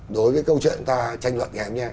đối với câu chuyện ta tranh luận nghe